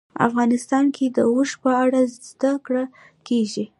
افغانستان کې د اوښ په اړه زده کړه کېږي.